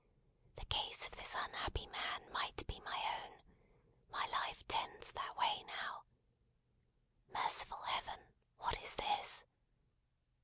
The case of this unhappy man might be my own. My life tends that way, now. Merciful Heaven, what is this!"